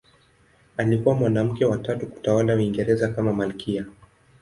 Alikuwa mwanamke wa tatu kutawala Uingereza kama malkia.